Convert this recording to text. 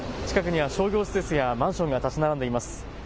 近くには商業施設やマンションが建ち並んでいます。